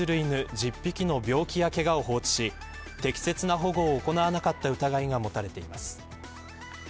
１０匹の病気やけがを放置し適切な保護を行わなかった疑いが持たれています。